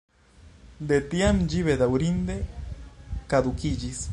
De tiam ĝi bedaŭrinde kadukiĝis.